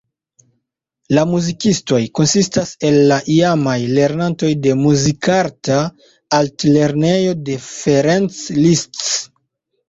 La muzikistoj konsistas el la iamaj lernantoj de Muzikarta Altlernejo Ferenc Liszt.